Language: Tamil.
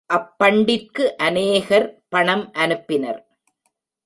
அப்பண்டிற்கு அநேகர் பணம் அனுப்பினர்.